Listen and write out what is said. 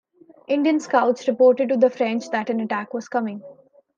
Indian scouts reported to the French that an attack was coming.